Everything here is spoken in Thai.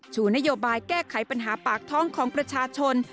ชูนโยบายแก้ไขปัญหาปากท้องของประชาชน